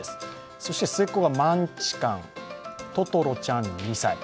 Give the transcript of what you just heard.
そして末っ子がマンチカンととろちゃん２歳。